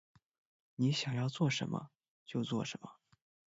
你想要做什么？就做什么